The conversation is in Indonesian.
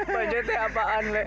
bancetnya apaan mek